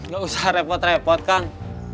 gak usah repot repot kan